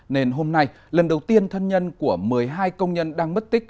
nên hôm nay lần đầu tiên thân nhân của một mươi hai công nhân đang mất tích